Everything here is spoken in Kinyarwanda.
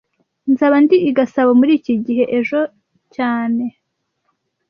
Nzaba ndi i Gasabo muri iki gihe ejo cyane